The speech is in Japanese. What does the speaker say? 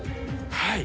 はい。